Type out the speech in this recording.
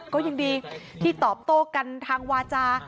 ก็ยังดีที่ตอบโต้กันทางวาจา